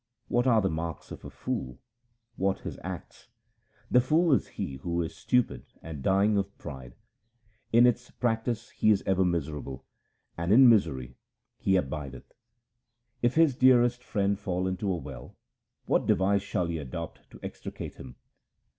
What are the marks of a fool ? What his acts ? The fool is he who is stupid and dying of pride. In its practice he is ever miserable, and in misery he abideth. If his dearest friend fall into a well, what device shall he adopt to extricate him